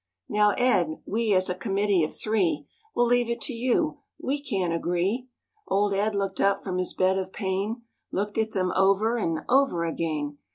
Now Ed, we as a committee of three, Will leave it to you, we can't agree." Old Ed looked up from his bed of pain, Looked at them over and over again.